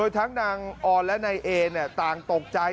ทั้งนางออนและนายเอต่างตกใจ